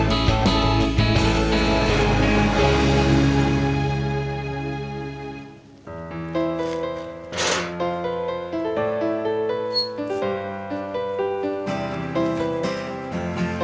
terima kasih sama sama